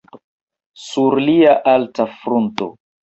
Sur lia alta frunto.